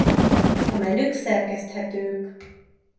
A menük szerkeszthetők.